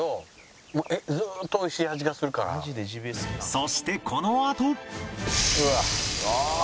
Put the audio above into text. そしてこのあとうわ！